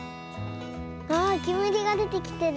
あけむりがでてきてる。